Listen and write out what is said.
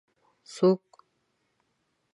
څوک